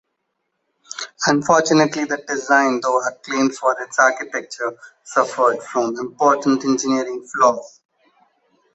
Unfortunately, the design, though acclaimed for its architecture, suffered from important engineering flaws.